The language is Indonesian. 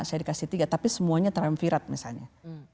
saya dikasih tiga tapi semuanya terampirat misalnya